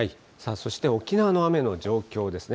そして沖縄の雨の状況ですね。